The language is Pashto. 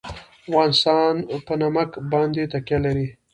افغانستان په نمک باندې تکیه لري.